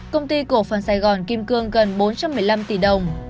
công ty cổ phần sài gòn kim cương gần bốn trăm một mươi năm tỷ đồng